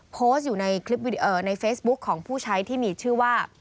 โพสต์อยู่ในคลิปในเฟซบุ๊คของผู้ใช้ที่มีชื่อว่า